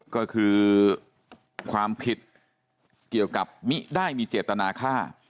ก็คือความผิดเกี่ยวกับมิได้มีเจตนาฆ่า